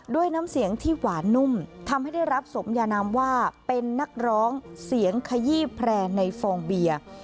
ด้วยน้ำเสียงที่หวานนุ่มทำให้ได้รับสมยานามว่าเป็นนักร้องเสียงขยี้แพร่ในฟองเบียร์